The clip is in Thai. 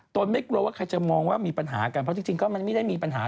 ไม่กลัวว่าใครจะมองว่ามีปัญหากันเพราะจริงก็มันไม่ได้มีปัญหา